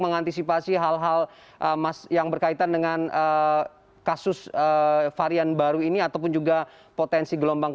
mengantisipasi hal hal yang berkaitan dengan kasus varian baru ini ataupun juga potensi gelombang